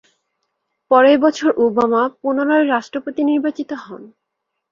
পরের বছর ওবামা পুনরায় রাষ্ট্রপতি নির্বাচিত হন।